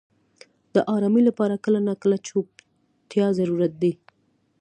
• د آرامۍ لپاره کله ناکله چوپتیا ضروري ده.